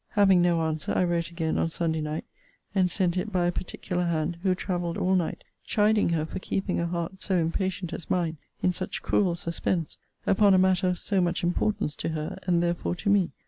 Having no answer, I wrote again on Sunday night; and sent it by a particular hand, who travelled all night; chiding her for keeping a heart so impatient as mine in such cruel suspense, upon a matter of so much importance to her, and therefore to me.